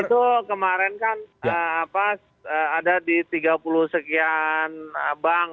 itu kemarin kan ada di tiga puluh sekian bank